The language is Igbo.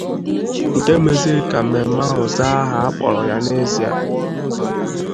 nke mezịrị ka mmemme ahụ zaa aha a kpọrọ ya n'ezie.